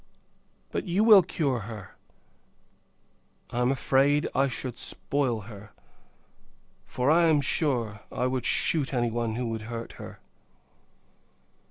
But, you will cure her: I am afraid I should spoil her; for, I am sure, I would shoot any one who would hurt her.